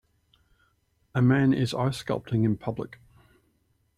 A man is ice sculpting in public.